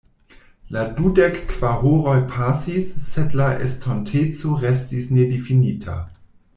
La dudek-kvar horoj pasis, sed la estonteco restis nedifinita.